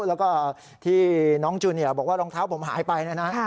แล้วก็ที่น้องจูนบอกว่ารองเท้าผมหายไปนะ